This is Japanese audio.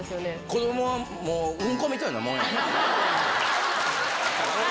子どもはもう、うんこみたいなもんや。